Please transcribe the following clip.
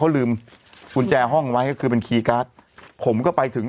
เขาลืมกุญแจห้องไว้ก็คือเป็นคีย์การ์ดผมก็ไปถึง